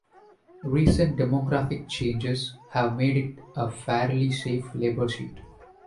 Recent demographic changes have made it a fairly safe Labor seat.